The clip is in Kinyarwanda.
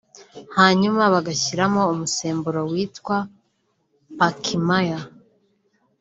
hanyuma bagashyiramo umusemburo witwa Pakimaya